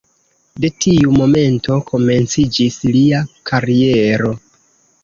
De tiu momento komenciĝis lia kariero.